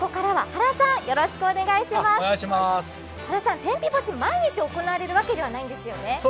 原さん、天日干し毎日行われるわけじゃないんですよね？